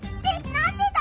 なんでだ！